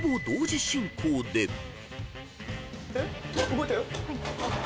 動いたよ。